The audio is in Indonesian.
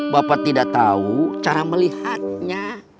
bapak tidak tahu cara melihatnya